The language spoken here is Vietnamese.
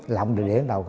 là ông để lên đầu